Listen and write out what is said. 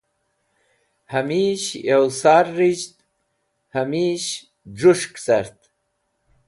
Hames̃h yo sar rizhd hames̃h j̃us̃hk cart